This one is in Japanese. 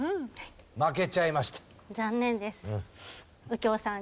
残念です。